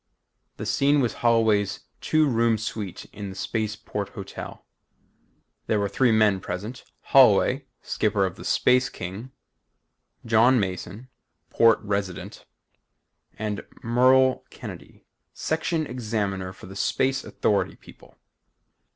The scene was Holloway's two room suite in the Space Port Hotel. There were three men present Holloway, skipper of the Space King, John Mason, Port Resident, and Merle Kennedy, Section Examiner for the Space Authority people.